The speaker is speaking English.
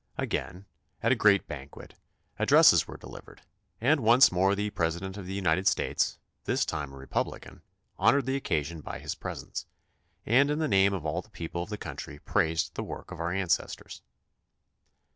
Again, at a great banquet, addresses were delivered, and once more the President of the United States, this time a Republican, honored the occasion by his presence, and in the name of all the people of the country praised the work of our ancestors.